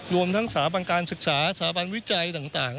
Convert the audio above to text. รวมทั้งสถาบันการศึกษาสถาบันวิจัยต่าง